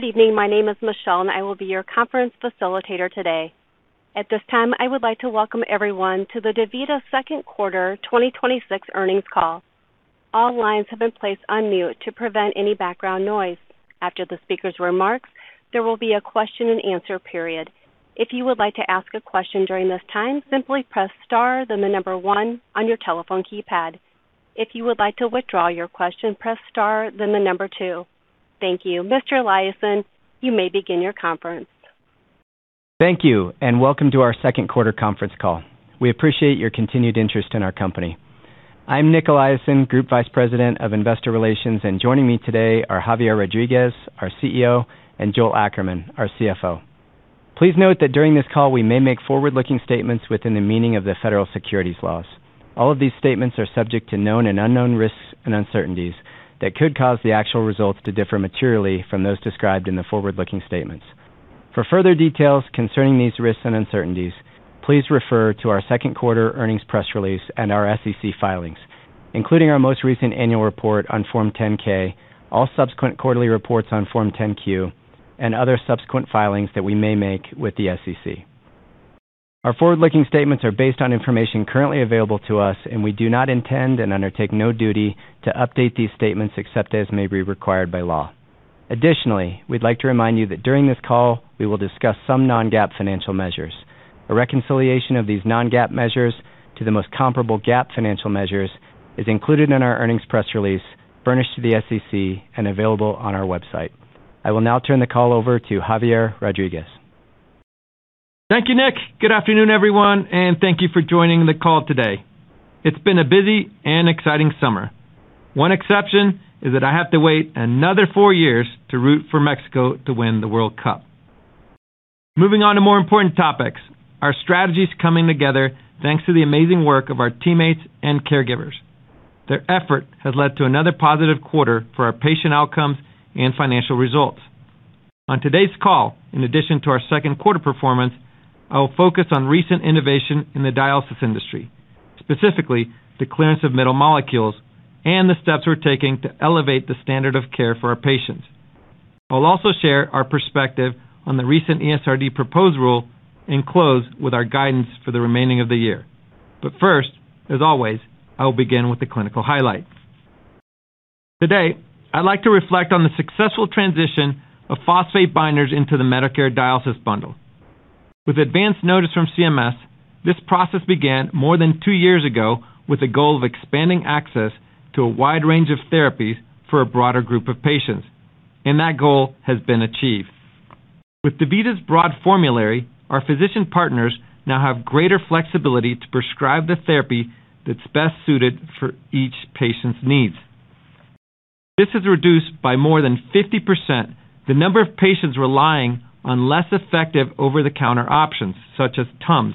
Good evening. My name is Michelle, and I will be your conference facilitator today. At this time, I would like to welcome everyone to the DaVita Second Quarter 2026 earnings call. All lines have been placed on mute to prevent any background noise. After the speaker's remarks, there will be a question and answer period. If you would like to ask a question during this time, simply press star then the number one on your telephone keypad. If you would like to withdraw your question, press star then the number two. Thank you. Mr. Eliason, you may begin your conference. Thank you, and welcome to our second quarter conference call. We appreciate your continued interest in our company. I'm Nic Eliason, Group Vice President of Investor Relations, and joining me today are Javier Rodriguez, our CEO, and Joel Ackerman, our CFO. Please note that during this call, we may make forward-looking statements within the meaning of the federal securities laws. All of these statements are subject to known and unknown risks and uncertainties that could cause the actual results to differ materially from those described in the forward-looking statements. For further details concerning these risks and uncertainties, please refer to our second quarter earnings press release and our SEC filings, including our most recent annual report on Form 10-K, all subsequent quarterly reports on Form 10-Q, and other subsequent filings that we may make with the SEC. Our forward-looking statements are based on information currently available to us, and we do not intend and undertake no duty to update these statements except as may be required by law. Additionally, we'd like to remind you that during this call, we will discuss some non-GAAP financial measures. A reconciliation of these non-GAAP measures to the most comparable GAAP financial measures is included in our earnings press release, furnished to the SEC and available on our website. I will now turn the call over to Javier Rodriguez. Thank you, Nic. Good afternoon, everyone, and thank you for joining the call today. It's been a busy and exciting summer. One exception is that I have to wait another four years to root for Mexico to win the World Cup. Moving on to more important topics, our strategy's coming together thanks to the amazing work of our teammates and caregivers. Their effort has led to another positive quarter for our patient outcomes and financial results. On today's call, in addition to our second quarter performance, I will focus on recent innovation in the dialysis industry, specifically the clearance of middle molecules and the steps we're taking to elevate the standard of care for our patients. I'll also share our perspective on the recent ESRD proposed rule and close with our guidance for the remaining of the year. But first, as always, I will begin with the clinical highlights. Today, I'd like to reflect on the successful transition of phosphate binders into the Medicare dialysis bundle. With advance notice from CMS, this process began more than two years ago with the goal of expanding access to a wide range of therapies for a broader group of patients, and that goal has been achieved. With DaVita's broad formulary, our physician partners now have greater flexibility to prescribe the therapy that's best suited for each patient's needs. This has reduced by more than 50% the number of patients relying on less effective over-the-counter options, such as TUMS,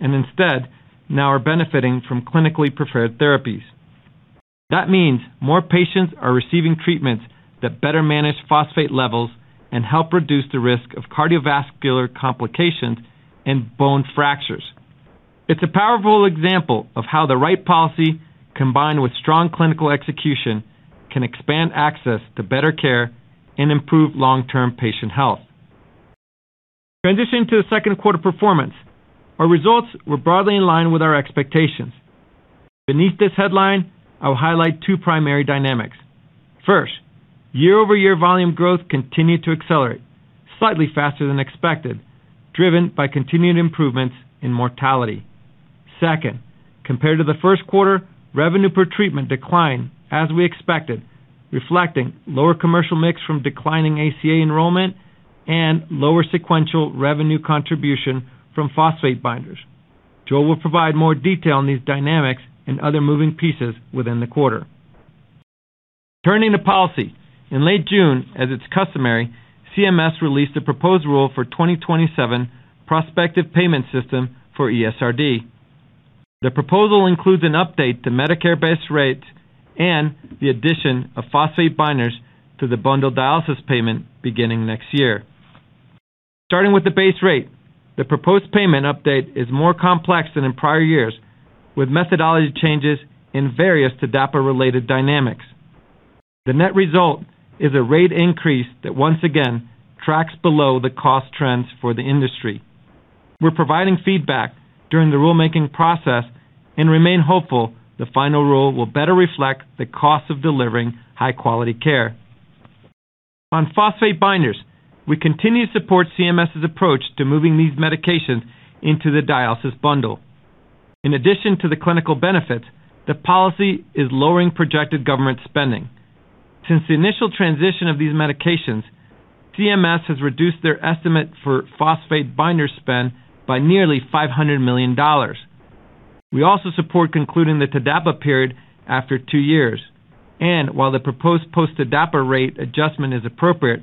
and instead, now are benefiting from clinically preferred therapies. That means more patients are receiving treatments that better manage phosphate levels and help reduce the risk of cardiovascular complications and bone fractures. It's a powerful example of how the right policy, combined with strong clinical execution, can expand access to better care and improve long-term patient health. Transitioning to the second quarter performance, our results were broadly in line with our expectations. Beneath this headline, I will highlight two primary dynamics. First, year-over-year volume growth continued to accelerate, slightly faster than expected, driven by continued improvements in mortality. Second, compared to the first quarter, revenue per treatment declined as we expected, reflecting lower commercial mix from declining ACA enrollment and lower sequential revenue contribution from phosphate binders. Joel will provide more detail on these dynamics and other moving pieces within the quarter. Turning to policy. In late June, as it's customary, CMS released a proposed rule for 2027 prospective payment system for ESRD. The proposal includes an update to Medicare base rate and the addition of phosphate binders to the bundled dialysis payment beginning next year. Starting with the base rate, the proposed payment update is more complex than in prior years, with methodology changes and various to TDAPA-related dynamics. The net result is a rate increase that once again tracks below the cost trends for the industry. We're providing feedback during the rulemaking process and remain hopeful the final rule will better reflect the cost of delivering high-quality care. On phosphate binders, we continue to support CMS' approach to moving these medications into the dialysis bundle. In addition to the clinical benefits, the policy is lowering projected government spending. Since the initial transition of these medications, CMS has reduced their estimate for phosphate binder spend by nearly $500 million. We also support concluding the TDAPA period after two years. While the proposed post-TDAPA rate adjustment is appropriate,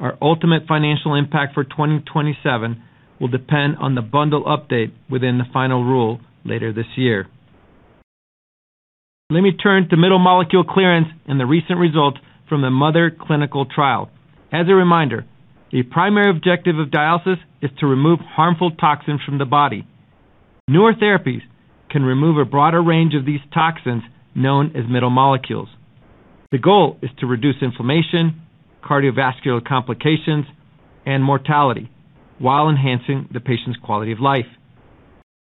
our ultimate financial impact for 2027 will depend on the bundle update within the final rule later this year. Let me turn to middle molecule clearance and the recent results from the MOTheR clinical trial. As a reminder, the primary objective of dialysis is to remove harmful toxins from the body. Newer therapies can remove a broader range of these toxins, known as middle molecules. The goal is to reduce inflammation, cardiovascular complications, and mortality while enhancing the patient's quality of life.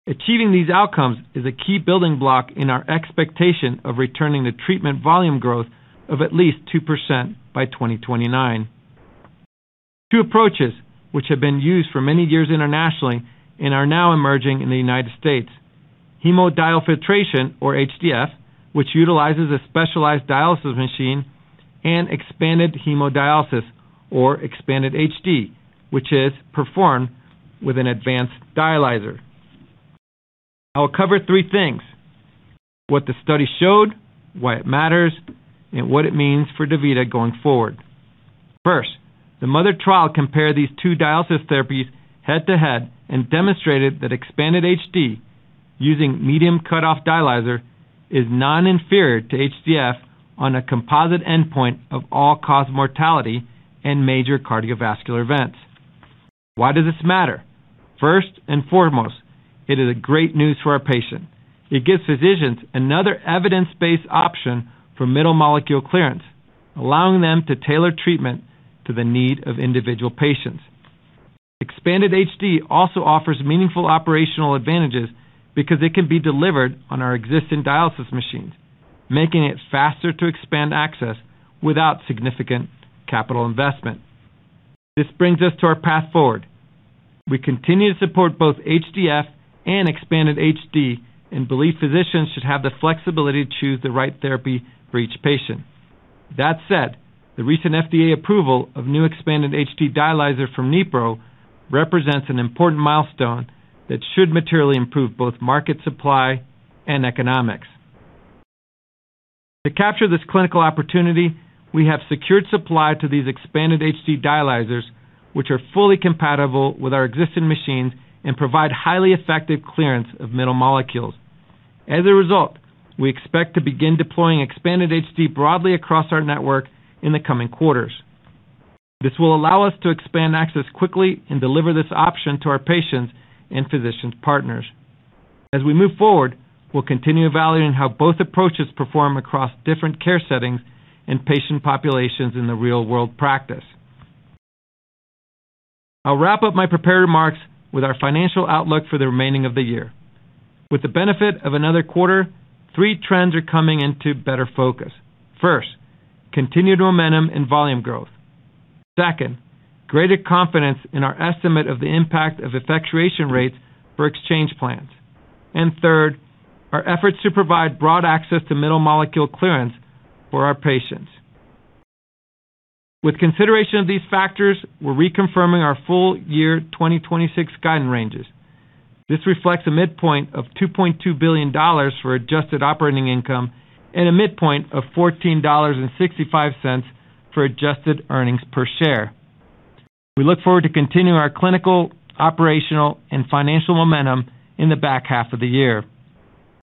Achieving these outcomes is a key building block in our expectation of returning the treatment volume growth of at least 2% by 2029. Two approaches, which have been used for many years internationally and are now emerging in the U.S. Hemodiafiltration, or HDF, which utilizes a specialized dialysis machine, and expanded hemodialysis, or expanded HD, which is performed with an advanced dialyzer. I will cover three things: what the study showed, why it matters, and what it means for DaVita going forward. First, the MOTheR trial compared these two dialysis therapies head-to-head and demonstrated that expanded HD using medium cut-off dialyzer is non-inferior to HDF on a composite endpoint of all-cause mortality and major cardiovascular events. Why does this matter? First and foremost, it is a great news for our patient. It gives physicians another evidence-based option for middle molecule clearance, allowing them to tailor treatment to the need of individual patients. Expanded HD also offers meaningful operational advantages because it can be delivered on our existing dialysis machines, making it faster to expand access without significant capital investment. This brings us to our path forward. We continue to support both HDF and expanded HD and believe physicians should have the flexibility to choose the right therapy for each patient. That said, the recent FDA approval of new expanded HD dialyzer from NIPRO represents an important milestone that should materially improve both market supply and economics. To capture this clinical opportunity, we have secured supply to these expanded HD dialyzers, which are fully compatible with our existing machines and provide highly effective clearance of middle molecules. As a result, we expect to begin deploying expanded HD broadly across our network in the coming quarters. This will allow us to expand access quickly and deliver this option to our patients and physician partners. As we move forward, we'll continue evaluating how both approaches perform across different care settings and patient populations in the real-world practice. I'll wrap up my prepared remarks with our financial outlook for the remaining of the year. With the benefit of another quarter, three trends are coming into better focus. First, continued momentum in volume growth. Second, greater confidence in our estimate of the impact of effectuation rates for exchange plans. Third, our efforts to provide broad access to middle molecule clearance for our patients. With consideration of these factors, we're reconfirming our full year 2026 guidance ranges. This reflects a midpoint of $2.2 billion for adjusted operating income and a midpoint of $14.65 for adjusted earnings per share. We look forward to continuing our clinical, operational, and financial momentum in the back half of the year.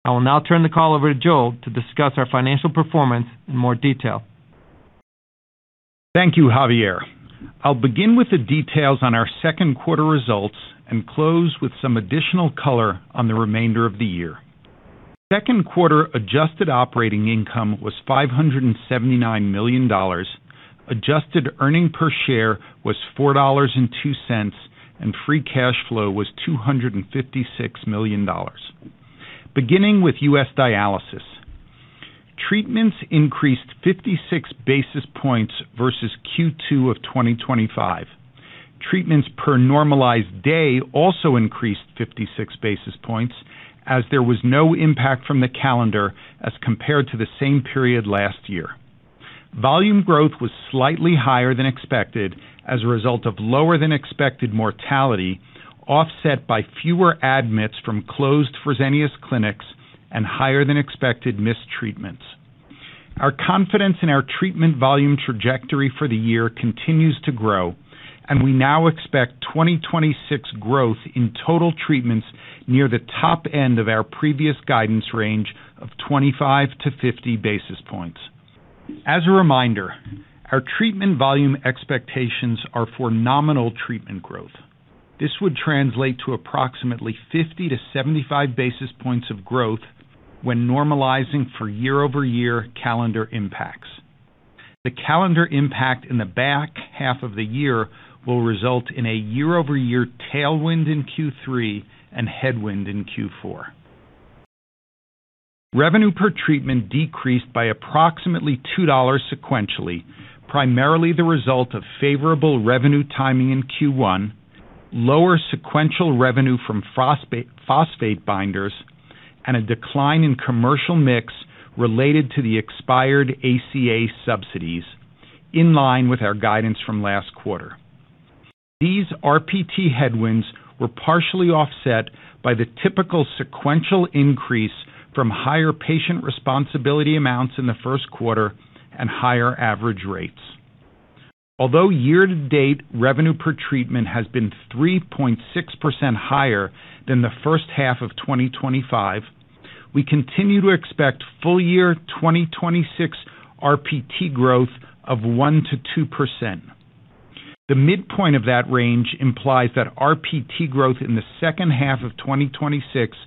I will now turn the call over to Joel to discuss our financial performance in more detail. Thank you, Javier. I'll begin with the details on our second quarter results and close with some additional color on the remainder of the year. Second quarter adjusted operating income was $579 million, adjusted earning per share was $4.02, and free cash flow was $256 million. Beginning with U.S. dialysis. Treatments increased 56 basis points versus Q2 of 2025. Treatments per normalized day also increased 56 basis points, as there was no impact from the calendar as compared to the same period last year. Volume growth was slightly higher than expected as a result of lower than expected mortality, offset by fewer admits from closed Fresenius clinics and higher than expected missed treatments. Our confidence in our treatment volume trajectory for the year continues to grow. We now expect 2026 growth in total treatments near the top end of our previous guidance range of 25-50 basis points. As a reminder, our treatment volume expectations are for nominal treatment growth. This would translate to approximately 50 to 75 basis points of growth when normalizing for year-over-year calendar impacts. The calendar impact in the back half of the year will result in a year-over-year tailwind in Q3 and headwind in Q4. Revenue per treatment decreased by approximately $2 sequentially, primarily the result of favorable revenue timing in Q1, lower sequential revenue from phosphate binders, and a decline in commercial mix related to the expired ACA subsidies, in line with our guidance from last quarter. These RPT headwinds were partially offset by the typical sequential increase from higher patient responsibility amounts in the first quarter and higher average rates. Although year-to-date revenue per treatment has been 3.6% higher than the first half of 2025, we continue to expect full year 2026 RPT growth of 1%-2%. The midpoint of that range implies that RPT growth in the second half of 2026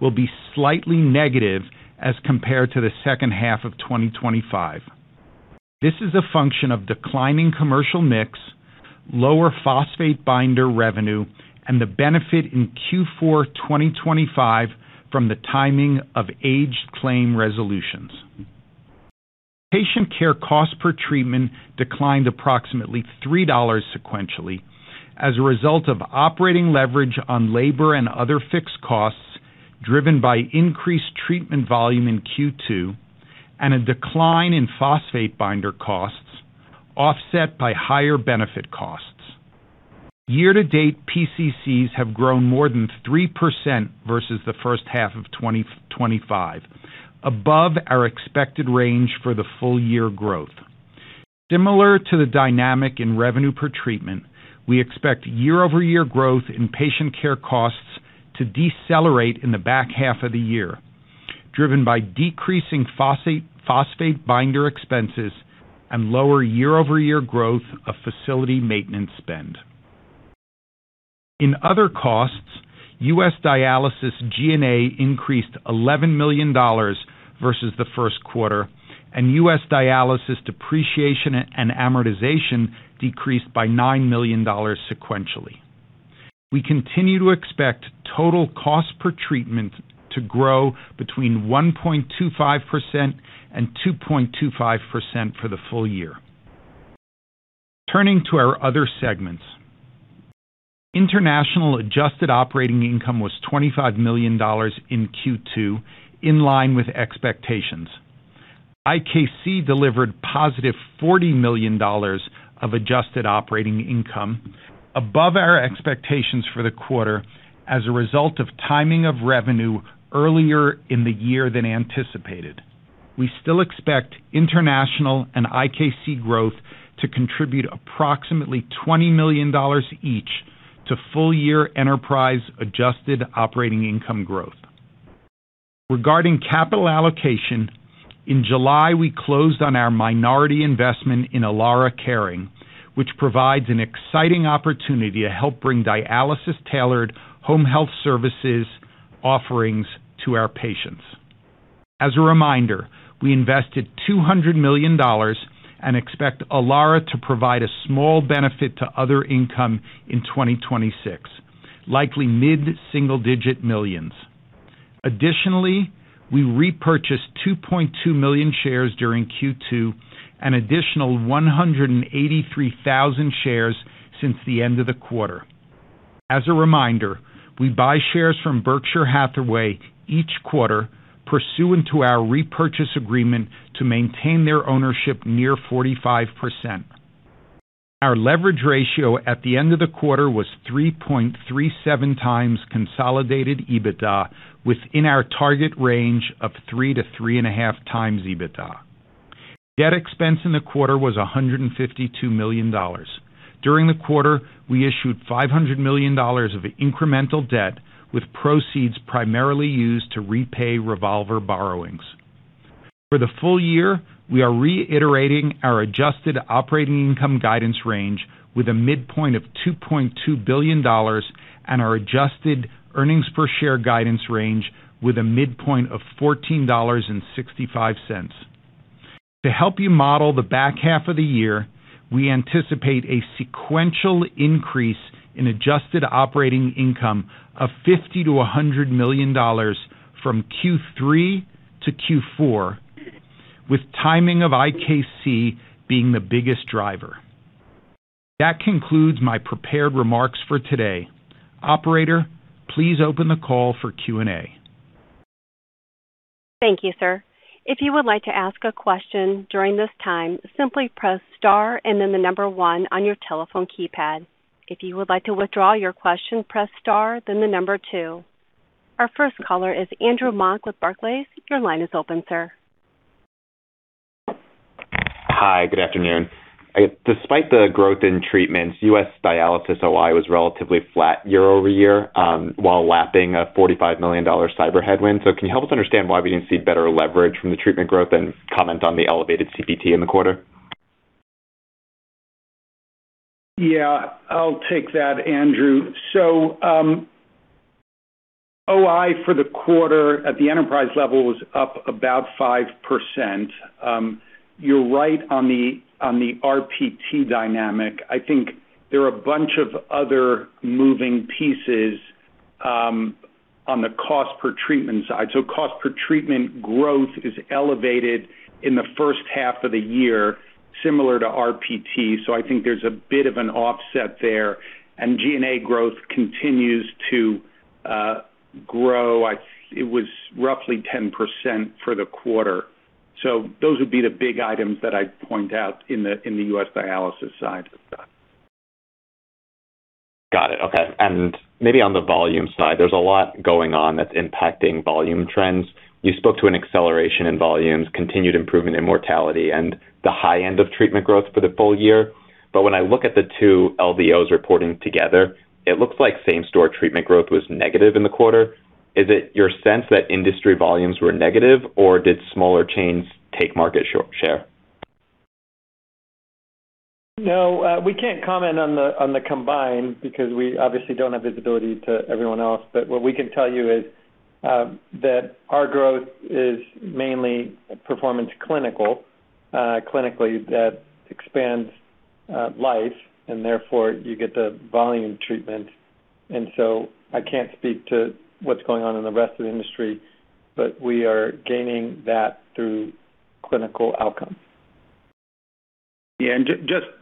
will be slightly negative as compared to the second half of 2025. This is a function of declining commercial mix, lower phosphate binder revenue, and the benefit in Q4 2025 from the timing of aged claim resolutions. Patient care cost per treatment declined approximately $3 sequentially as a result of operating leverage on labor and other fixed costs, driven by increased treatment volume in Q2 and a decline in phosphate binder costs, offset by higher benefit costs. Year to date, PCCs have grown more than 3% versus the first half of 2025, above our expected range for the full year growth. Similar to the dynamic in revenue per treatment, we expect year-over-year growth in patient care costs to decelerate in the back half of the year, driven by decreasing phosphate binder expenses and lower year-over-year growth of facility maintenance spend. In other costs, U.S. dialysis G&A increased $11 million versus the first quarter, and U.S. dialysis depreciation and amortization decreased by $9 million sequentially. We continue to expect total cost per treatment to grow between 1.25% and 2.25% for the full year. Turning to our other segments. International adjusted operating income was $25 million in Q2, in line with expectations. IKC delivered positive $40 million of adjusted operating income, above our expectations for the quarter as a result of timing of revenue earlier in the year than anticipated. We still expect International and IKC growth to contribute approximately $20 million each to full year enterprise adjusted operating income growth. Regarding capital allocation, in July, we closed on our minority investment in Elara Caring, which provides an exciting opportunity to help bring dialysis-tailored home health services offerings to our patients. As a reminder, we invested $200 million and expect Elara to provide a small benefit to other income in 2026, likely mid-single digit millions. Additionally, we repurchased 2.2 million shares during Q2, an additional 183,000 shares since the end of the quarter. As a reminder, we buy shares from Berkshire Hathaway each quarter pursuant to our repurchase agreement to maintain their ownership near 45%. Our leverage ratio at the end of the quarter was 3.37x consolidated EBITDA within our target range of 3x-3.5x EBITDA. Debt expense in the quarter was $152 million. During the quarter, we issued $500 million of incremental debt, with proceeds primarily used to repay revolver borrowings. For the full year, we are reiterating our adjusted operating income guidance range with a midpoint of $2.2 billion and our adjusted earnings per share guidance range with a midpoint of $14.65. To help you model the back half of the year, we anticipate a sequential increase in adjusted operating income of $50 million to $100 million from Q3 to Q4, with timing of IKC being the biggest driver. That concludes my prepared remarks for today. Operator, please open the call for Q&A. Thank you, sir. If you would like to ask a question during this time, simply press star and then the number one on your telephone keypad. If you would like to withdraw your question, press star, then the number two. Our first caller is Andrew Mok with Barclays. Your line is open, sir. Hi, good afternoon. Despite the growth in treatments, U.S. dialysis OI was relatively flat year-over-year, while lapping a $45 million cyber headwind. Can you help us understand why we didn't see better leverage from the treatment growth and comment on the elevated CPT in the quarter? Yeah, I'll take that, Andrew. OI for the quarter at the enterprise level was up about 5%. You're right on the RPT dynamic. I think there are a bunch of other moving pieces on the cost per treatment side. Cost per treatment growth is elevated in the first half of the year, similar to RPT. I think there's a bit of an offset there. G&A growth continues to grow. It was roughly 10% for the quarter. Those would be the big items that I'd point out in the U.S. dialysis side. Got it. Okay. Maybe on the volume side. There's a lot going on that's impacting volume trends. You spoke to an acceleration in volumes, continued improvement in mortality, and the high end of treatment growth for the full year. When I look at the two LDOs reporting together, it looks like same-store treatment growth was negative in the quarter. Is it your sense that industry volumes were negative, or did smaller chains take market share? No, we can't comment on the combined because we obviously don't have visibility to everyone else. What we can tell you is that our growth is mainly performance clinical, clinically that expands life and therefore you get the volume treatment. I can't speak to what's going on in the rest of the industry, but we are gaining that through clinical outcomes. Yeah.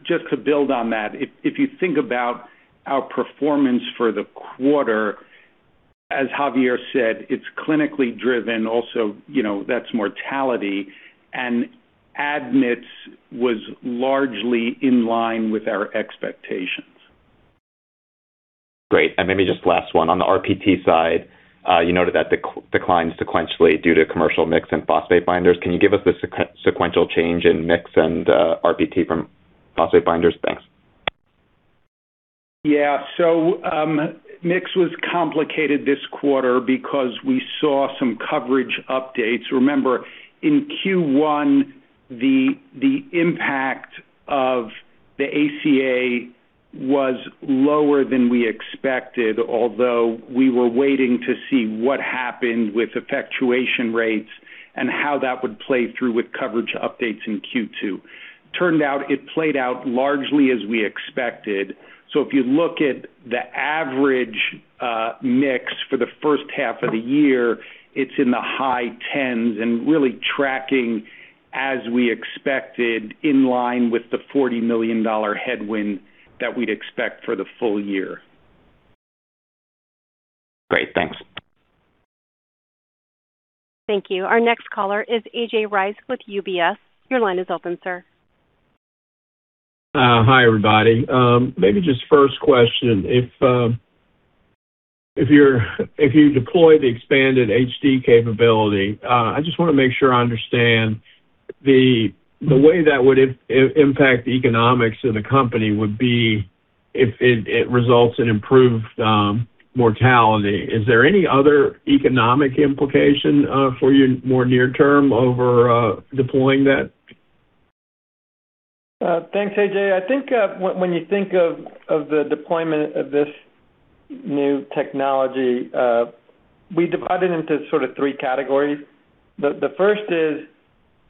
Just to build on that, if you think about our performance for the quarter, as Javier said, it's clinically driven also, that's mortality, and admits was largely in line with our expectations. Great. Maybe just last one. On the RPT side, you noted that declined sequentially due to commercial mix and phosphate binders. Can you give us the sequential change in mix and RPT from phosphate binders? Thanks. Yeah. Mix was complicated this quarter because we saw some coverage updates. Remember, in Q1, the impact of the ACA was lower than we expected, although we were waiting to see what happened with effectuation rates and how that would play through with coverage updates in Q2. Turned out it played out largely as we expected. If you look at the average mix for the first half of the year, it's in the high tens and really tracking as we expected, in line with the $40 million headwind that we'd expect for the full year. Great. Thanks. Thank you. Our next caller is A.J. Rice with UBS. Your line is open, sir. Hi, everybody. Maybe just first question, if you deploy the expanded HD capability, I just want to make sure I understand the way that would impact the economics of the company would be if it results in improved mortality. Is there any other economic implication for you more near term over deploying that? Thanks, A.J. I think when you think of the deployment of this new technology, we divide it into sort of three categories. The first is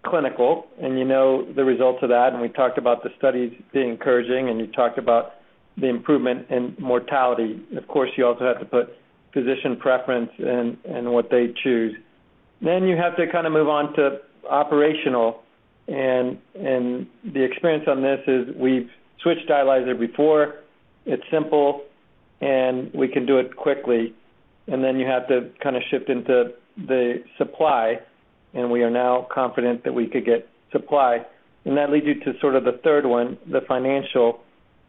clinical. You know the results of that. We talked about the studies being encouraging. You talked about the improvement in mortality. Of course, you also have to put physician preference in what they choose. You have to kind of move on to operational. The experience on this is we've switched dialyzer before. It's simple. We can do it quickly. You have to kind of shift into the supply. We are now confident that we could get supply. That leads you to sort of the third one, the financial.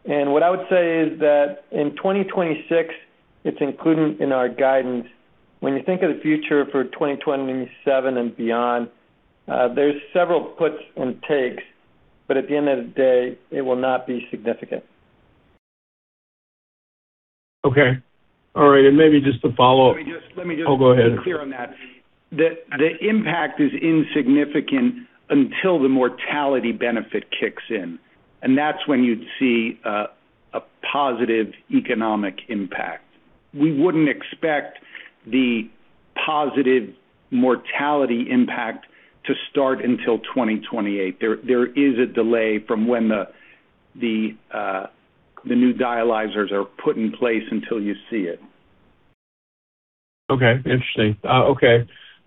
What I would say is that in 2026, it's included in our guidance. When you think of the future for 2027 and beyond, there's several puts and takes. At the end of the day, it will not be significant. Okay. All right. Maybe just to follow up- Let me just- Oh, go ahead be clear on that. The impact is insignificant until the mortality benefit kicks in, and that's when you'd see a positive economic impact. We wouldn't expect the positive mortality impact to start until 2028. There is a delay from when the new dialyzers are put in place until you see it. Okay. Interesting.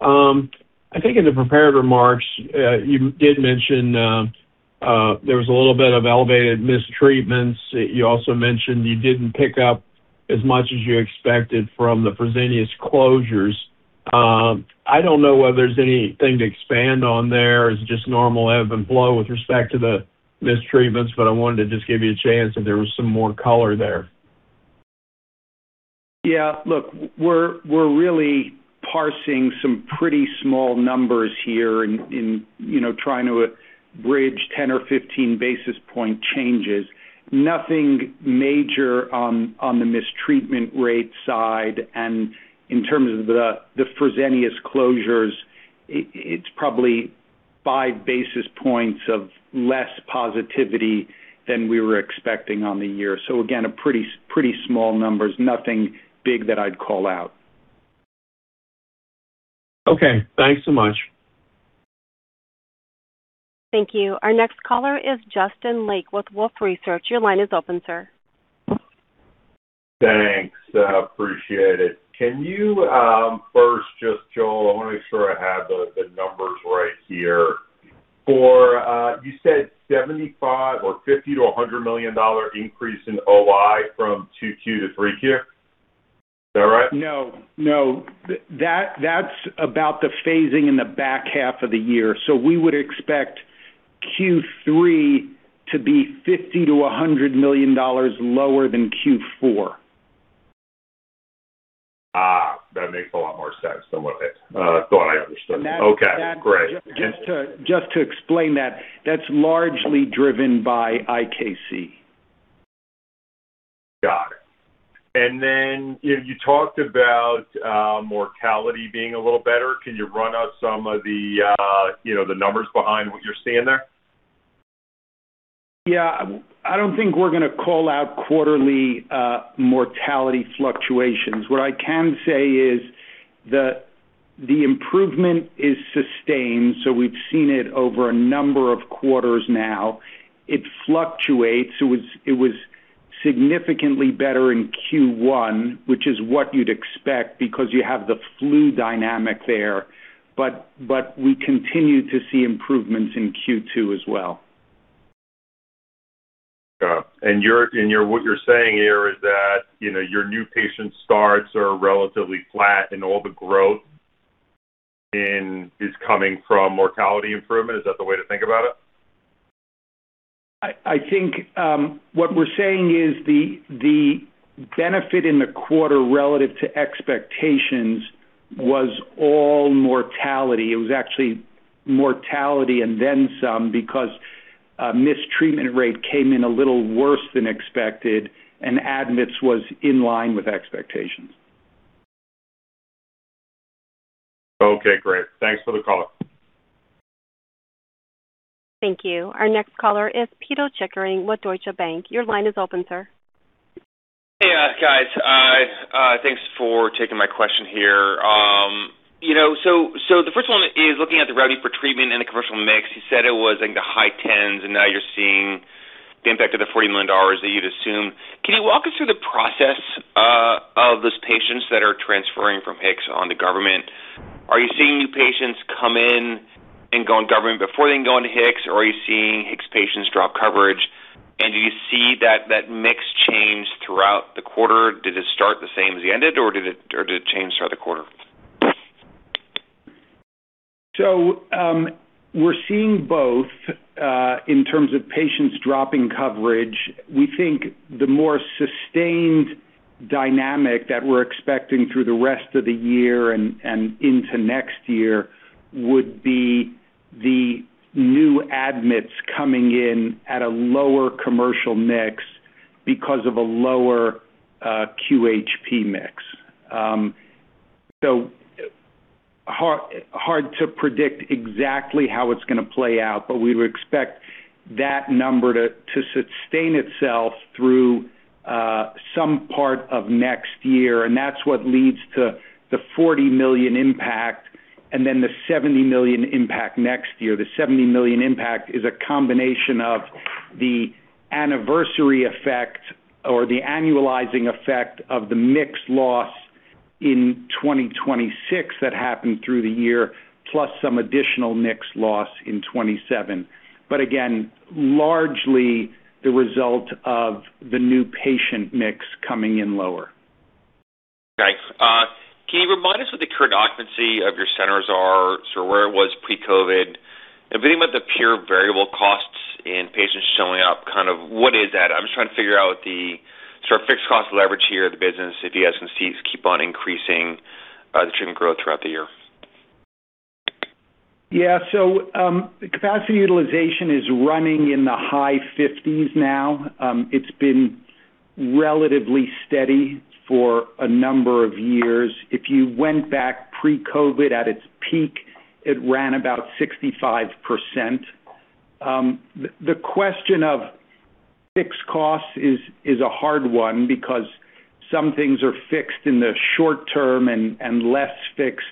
I think in the prepared remarks, you did mention there was a little bit of elevated mistreatments. You also mentioned you didn't pick up as much as you expected from the Fresenius closures. I don't know whether there's anything to expand on there. Is it just normal ebb and flow with respect to the mistreatments? I wanted to just give you a chance if there was some more color there. Yeah. Look, we're really parsing some pretty small numbers here in trying to bridge 10 or 15 basis point changes. Nothing major on the mistreatment rate side. In terms of the Fresenius closures, it's probably 5 basis points of less positivity than we were expecting on the year. Again, a pretty small numbers, nothing big that I'd call out. Okay. Thanks so much. Thank you. Our next caller is Justin Lake with Wolfe Research. Your line is open, sir. Thanks. Appreciate it. Can you first just, Joel, I want to make sure I have the numbers right here. For, you said $75 or $50 to $100 million increase in OI from Q2 to Q3, is that right? No. That's about the phasing in the back half of the year. We would expect Q3 to be $50 to $100 million lower than Q4. That makes a lot more sense than what I thought I understood. Okay, great. Just to explain that's largely driven by IKC. Got it. You talked about mortality being a little better. Can you run us some of the numbers behind what you're seeing there? Yeah. I don't think we're going to call out quarterly mortality fluctuations. What I can say is the improvement is sustained, so we've seen it over a number of quarters now. It fluctuates. It was significantly better in Q1, which is what you'd expect because you have the flu dynamic there. We continue to see improvements in Q2 as well. Yeah. What you're saying here is that your new patient starts are relatively flat and all the growth is coming from mortality improvement. Is that the way to think about it? I think what we're saying is the benefit in the quarter relative to expectations was all mortality. It was actually mortality and then some because mistreatment rate came in a little worse than expected, and admits was in line with expectations. Okay, great. Thanks for the call. Thank you. Our next caller is Pito Chickering with Deutsche Bank. Your line is open, sir. Hey, guys. Thanks for taking my question here. The first one is looking at the revenue for treatment and the commercial mix, you said it was in the high tens, and now you're seeing the impact of the $40 million that you'd assume. Can you walk us through the process of those patients that are transferring from HIX on to government? Are you seeing new patients come in and go on government before they can go into HIX, or are you seeing HIX patients drop coverage? Do you see that mix change throughout the quarter? Did it start the same as it ended, or did it change throughout the quarter? We're seeing both in terms of patients dropping coverage. We think the more sustained dynamic that we're expecting through the rest of the year and into next year would be the new admits coming in at a lower commercial mix because of a lower QHP mix. Hard to predict exactly how it's going to play out, but we would expect that number to sustain itself through some part of next year, and that's what leads to the $40 million impact and then the $70 million impact next year. The $70 million impact is a combination of the anniversary effect or the annualizing effect of the mix loss in 2026 that happened through the year, plus some additional mix loss in 2027. Again, largely the result of the new patient mix coming in lower. Okay. Can you remind us what the current occupancy of your centers are, so where it was pre-COVID? Beginning with the pure variable costs in patients showing up, what is that? I'm just trying to figure out the fixed cost leverage here of the business if the SMCs keep on increasing the treatment growth throughout the year. Yeah. Capacity utilization is running in the high 50s now. It's been relatively steady for a number of years. If you went back pre-COVID, at its peak, it ran about 65%. The question of fixed costs is a hard one because some things are fixed in the short term and less fixed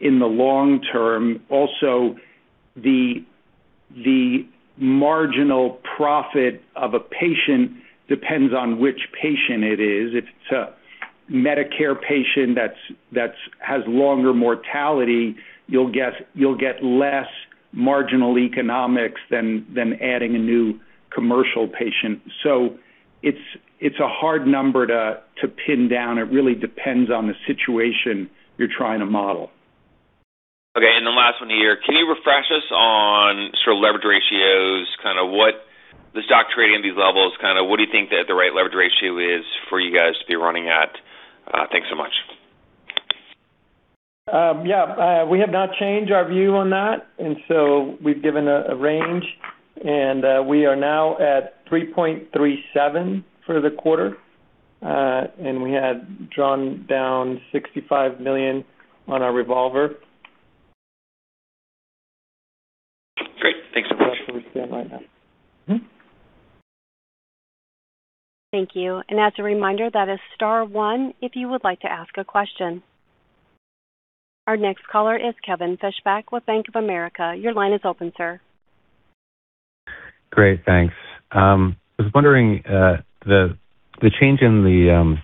in the long term. Also, the marginal profit of a patient depends on which patient it is. If it's a Medicare patient that has longer mortality, you'll get less marginal economics than adding a new commercial patient. It's a hard number to pin down. It really depends on the situation you're trying to model. Okay, the last one here. Can you refresh us on sort of leverage ratios, the stock trading these levels, what do you think that the right leverage ratio is for you guys to be running at? Thanks so much. Yeah. We have not changed our view on that, and so we've given a range, and we are now at 3.37 for the quarter. We had drawn down $65 million on our revolver. Great. Thanks so much. That's where we stand right now. Thank you. As a reminder, that is star one if you would like to ask a question. Our next caller is Kevin Fischbeck with Bank of America. Your line is open, sir. Great, thanks. I was wondering, the change in the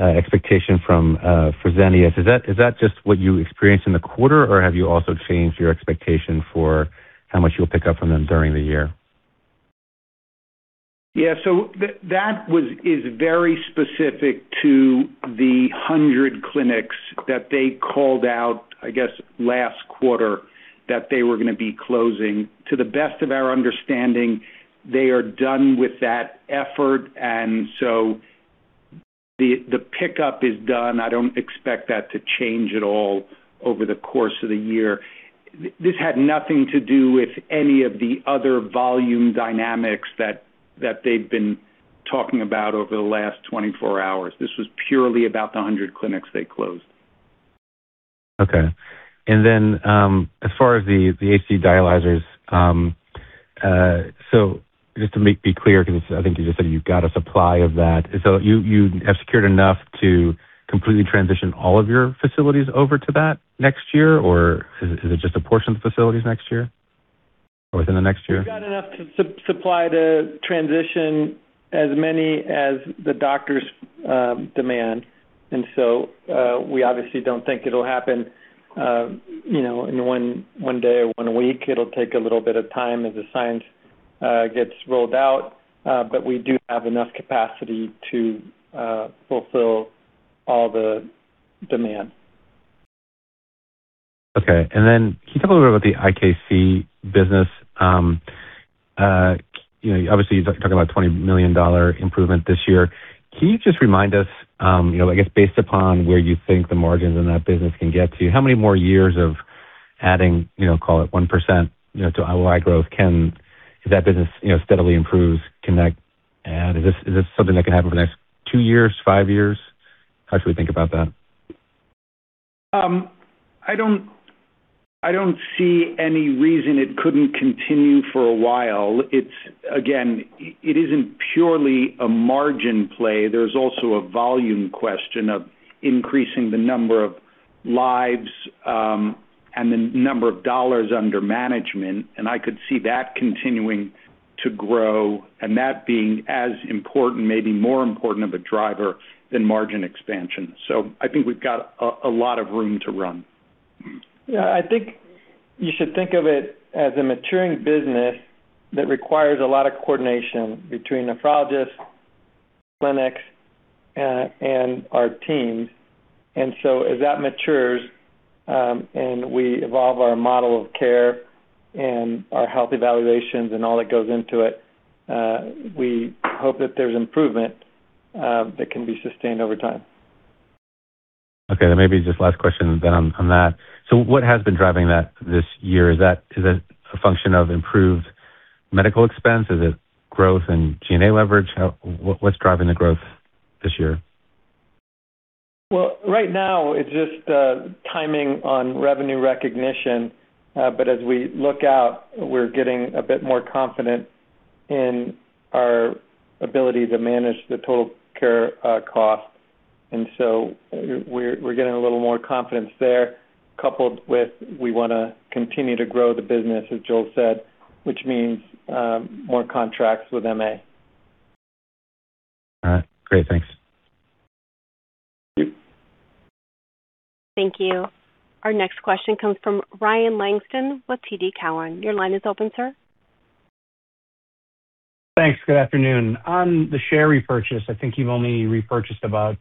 expectation from Fresenius, is that just what you experienced in the quarter, or have you also changed your expectation for how much you'll pick up from them during the year? Yeah. That is very specific to the 100 clinics that they called out, I guess, last quarter that they were going to be closing. To the best of our understanding, they are done with that effort. The pickup is done. I don't expect that to change at all over the course of the year. This had nothing to do with any of the other volume dynamics that they've been talking about over the last 24 hours. This was purely about the 100 clinics they closed. Okay. As far as the HD dialyzers, just to be clear, because I think you just said you've got a supply of that. You have secured enough to completely transition all of your facilities over to that next year? Or is it just a portion of the facilities next year or within the next year? We've got enough supply to transition as many as the doctors demand. We obviously don't think it'll happen in one day or one week. It'll take a little bit of time as the science gets rolled out. We do have enough capacity to fulfill all the demand. Okay. Can you talk a little bit about the IKC business? Obviously, you're talking about $20 million improvement this year. Can you just remind us, I guess, based upon where you think the margins in that business can get to, how many more years of adding, call it 1%, to OI growth can that business steadily improve? Is this something that can happen over the next two years, five years? How should we think about that? I don't see any reason it couldn't continue for a while. Again, it isn't purely a margin play. There's also a volume question of increasing the number of lives and the number of dollars under management, and I could see that continuing to grow and that being as important, maybe more important of a driver than margin expansion. I think we've got a lot of room to run. Yeah, I think you should think of it as a maturing business that requires a lot of coordination between nephrologists, clinics, and our teams. As that matures, and we evolve our model of care and our health evaluations and all that goes into it, we hope that there's improvement that can be sustained over time. Okay, maybe just last question then on that. What has been driving that this year? Is that a function of improved medical expense? Is it growth and G&A leverage? What's driving the growth this year? Well, right now, it's just timing on revenue recognition. As we look out, we're getting a bit more confident in our ability to manage the total care cost. We're getting a little more confidence there, coupled with we want to continue to grow the business, as Joel said, which means more contracts with MA. All right. Great. Thanks. Thank you. Thank you. Our next question comes from Ryan Langston with TD Cowen. Your line is open, sir. Thanks. Good afternoon. On the share repurchase, I think you've only repurchased about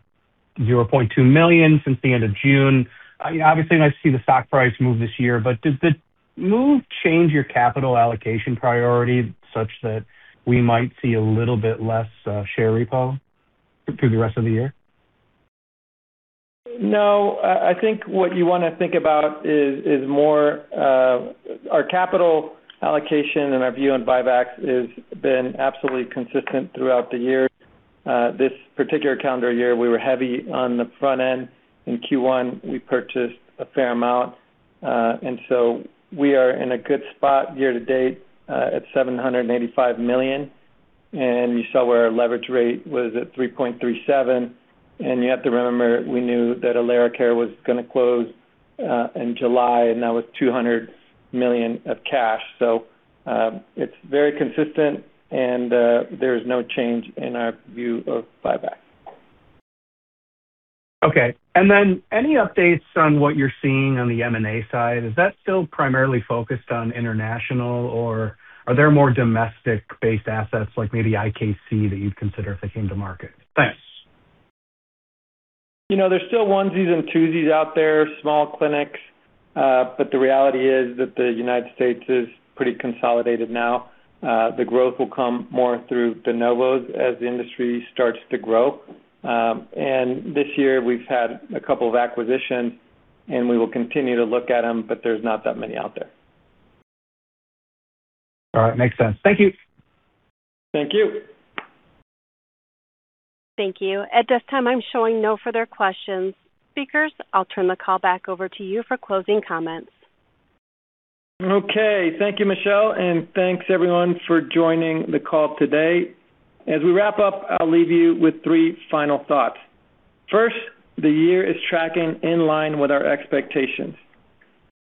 $0.2 million since the end of June. Obviously, nice to see the stock price move this year. Does the move change your capital allocation priority such that we might see a little bit less share repo through the rest of the year? No. I think what you want to think about is more our capital allocation and our view on buybacks has been absolutely consistent throughout the year. This particular calendar year, we were heavy on the front end. In Q1, we purchased a fair amount. We are in a good spot year to date at $785 million. You saw where our leverage rate was at 3.37x. You have to remember, we knew that Elara Caring was going to close in July, and that was $200 million of cash. It's very consistent, and there is no change in our view of buyback. Okay. Any updates on what you're seeing on the M&A side? Is that still primarily focused on international, or are there more domestic-based assets like maybe IKC that you'd consider if they came to market? Thanks. There's still onesies and twosies out there, small clinics. The reality is that the United States is pretty consolidated now. The growth will come more through de novos as the industry starts to grow. This year, we've had a couple of acquisitions, and we will continue to look at them, but there's not that many out there. All right. Makes sense. Thank you. Thank you. Thank you. At this time, I'm showing no further questions. Speakers, I'll turn the call back over to you for closing comments. Okay. Thank you, Michelle, and thanks everyone for joining the call today. As we wrap up, I'll leave you with three final thoughts. First, the year is tracking in line with our expectations.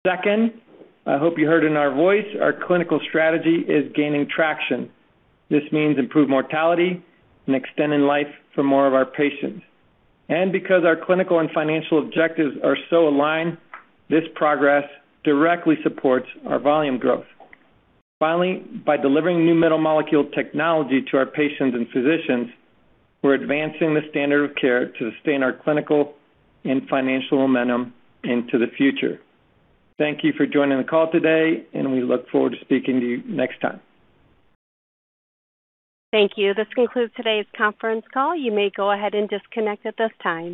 Second, I hope you heard in our voice our clinical strategy is gaining traction. This means improved mortality and extending life for more of our patients. Because our clinical and financial objectives are so aligned, this progress directly supports our volume growth. Finally, by delivering new middle molecule technology to our patients and physicians, we're advancing the standard of care to sustain our clinical and financial momentum into the future. Thank you for joining the call today, and we look forward to speaking to you next time. Thank you. This concludes today's conference call. You may go ahead and disconnect at this time.